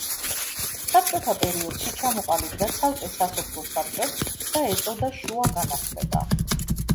საბჭოთა პერიოდში ჩამოყალიბდა ცალკე სასოფლო საბჭოდ და ეწოდა შუა განახლება.